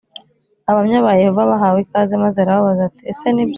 Abahamya ba Yehova bahawe ikaze maze arababaza ati ese nibyo